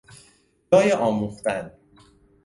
جای آموختن